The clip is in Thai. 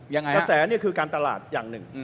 กระแสนี่คือการตลาดอย่างหนึ่ง